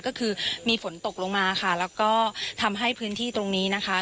ก็คือมีฝนตกลงมาค่ะแล้วก็ทำให้พื้นที่ตรงนี้นะคะ